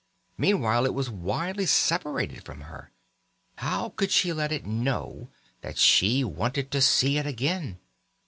Meanwhile it was widely separated from her; how could she let it know that she wanted to see it again?